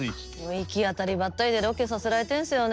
行き当たりばったりでロケさせられてんすよね。